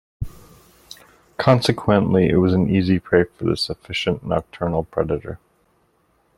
Consequently, it was an easy prey for this efficient, nocturnal predator.